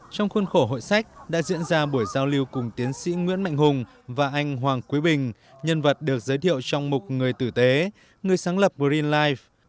trong khuôn khổ hội sách đã diễn ra buổi giao lưu cùng tiến sĩ nguyễn mạnh hùng và anh hoàng quý bình nhân vật được giới thiệu trong mục người tử tế người sáng lập green life